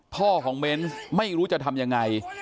พ่อของเบนส์ไม่รู้จะทำยังไง